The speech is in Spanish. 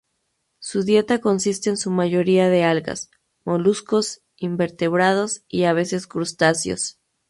Su dieta consiste en su mayoría de algas, moluscos, invertebrados y a veces crustáceos.